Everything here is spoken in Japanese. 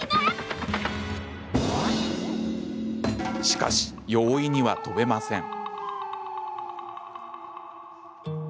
しかし、簡単には跳べません。